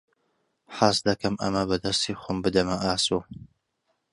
حەز دەکەم ئەمە بە دەستی خۆم بدەمە ئاسۆ.